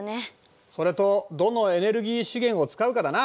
それとどのエネルギー資源を使うかだな。